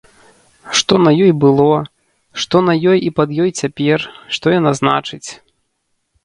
Што на ёй было, што на ёй і пад ёй цяпер, што яна значыць.